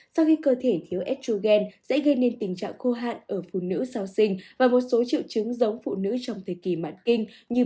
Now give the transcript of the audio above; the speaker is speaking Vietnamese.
sau khi cơ thể thiếu estrogen sẽ gây nên tình trạng khô hạn ở phụ nữ sau sinh và một số triệu chứng giống phụ nữ trong thời kỳ mạnh